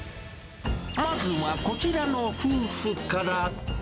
まずはこちらの夫婦から。